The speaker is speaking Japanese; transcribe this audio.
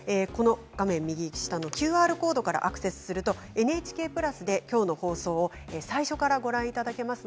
画面のＱＲコードからアクセスするとＮＨＫプラスできょうの放送を最初からご覧いただけます。